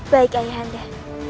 baik ya yanda